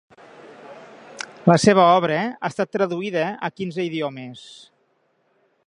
La seva obra ha estat traduïda a quinze idiomes.